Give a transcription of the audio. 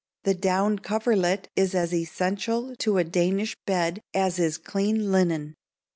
The down coverlet is as essential to a Danish bed as is clean linen.